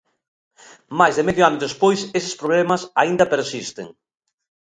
Máis de medio ano despois eses problemas aínda persisten.